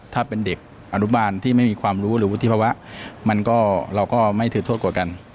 ถ้าเป็นเด็กอนุบาลที่ไม่มีความรู้หรือวุฒิภาวะมันก็เราก็ไม่ถือโทษกว่ากัน